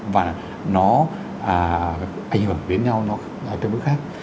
và nó ảnh hưởng đến nhau nó tương đối khác